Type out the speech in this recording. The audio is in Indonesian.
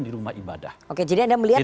di rumah ibadah oke jadi anda melihat